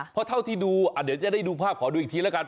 เพราะเท่าที่ดูเดี๋ยวจะได้ดูภาพขอดูอีกทีแล้วกัน